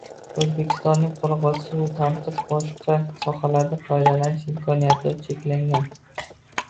O‘zbekistonning quruq va suvi tanqis, boshqa sohalarda foydalanish imkoniyati cheklangan